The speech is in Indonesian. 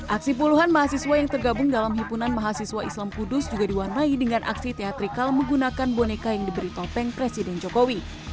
aksi puluhan mahasiswa yang tergabung dalam himpunan mahasiswa islam kudus juga diwarnai dengan aksi teatrikal menggunakan boneka yang diberi topeng presiden jokowi